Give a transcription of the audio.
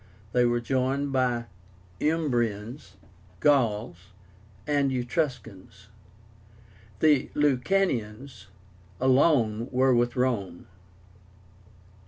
They were joined by the UMBRIANS, GAULS, and ETRUSCANS. The LUCANIANS alone were with Rome.